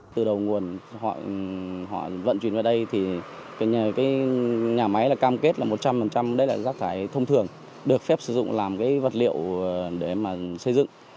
từ đầu nguồn họ vận chuyển vào đây thì nhà máy cam kết là một trăm linh đây là chất thải thông thường được phép sử dụng làm vật liệu để xây dựng